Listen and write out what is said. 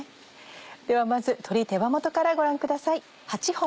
ではまず鶏手羽元からご覧ください。